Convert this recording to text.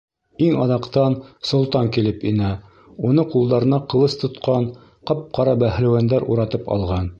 Иң аҙаҡтан солтан килеп инә, уны ҡулдарына ҡылыс тотҡан ҡап-ҡара бәһлеүәндәр уратып алған.